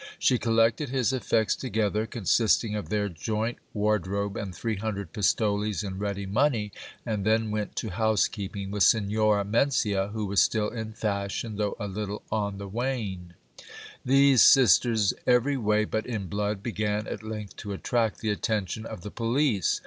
She collected his effects together, con sisting of their joint wardrobe and three hundred pistoles in ready money, and then went to housekeeping with Signora Mencia, who was still in fashion, though a little on the wane. These sisters, every way but in blood, began at length to attract the attention of the police.